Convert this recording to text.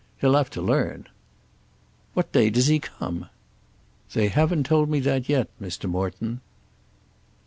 He'll have to learn." "What day does he come?" "They haven't told me that yet, Mr. Morton."